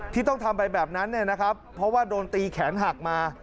ที่ต้องทำไปแบบนั้นเนี่ยนะครับเพราะว่าโดนตีแขนหักมา